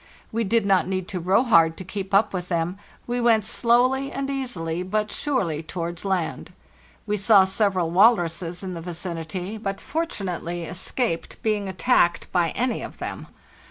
We did not need to row hard to keep up with them; we went slowly and easily, but surely, towards land. We saw several walruses in the vicinity, but fort unately escaped being attacked by any of them.